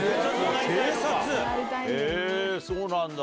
へぇそうなんだ。